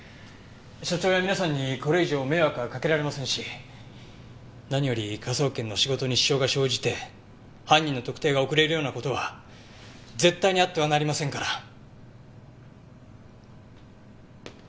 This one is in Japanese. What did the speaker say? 所長や皆さんにこれ以上迷惑はかけられませんし何より科捜研の仕事に支障が生じて犯人の特定が遅れるような事は絶対にあってはなりませんから。